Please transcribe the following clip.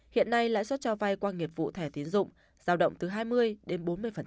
hiện nay lãi suất cho vay qua nghiệp vụ thẻ tiến dụng giao động từ hai mươi đến bốn mươi